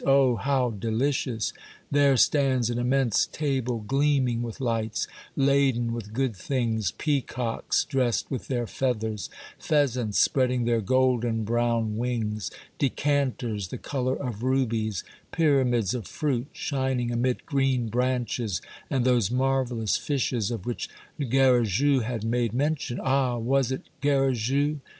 Oh, how delicious ! There stands an im mense table, gleaming with lights, laden with good things, peacocks dressed with their feathers, pheas ants spreading their golden brown wings, decanters the color of rubies, pyramids of fruit, shining amid green branches, and those marvellous fishes of which Garrigou had made mention (ah! was it Garrigou?)